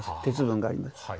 鉄分があります。